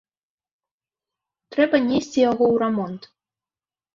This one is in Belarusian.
Трэба несці яго ў рамонт.